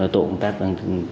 tổ công tác đang